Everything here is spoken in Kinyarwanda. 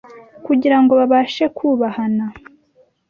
kugira ngo babashe ku bahana,